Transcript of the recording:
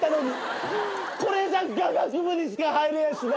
これじゃ雅楽部にしか入れやしない。